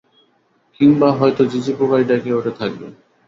কিংবা হয়তো ঝিঁঝি পোকাই ডেকে উঠে থাকবে।